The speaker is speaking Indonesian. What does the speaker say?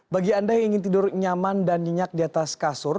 bagi anda yang ingin tidur nyaman dan nyenyak di atas kasur